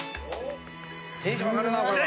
テンション上がるなこれは。